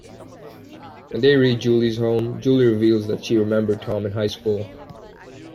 When they reach Julie's home, Julie reveals that she remembered Tom in high school.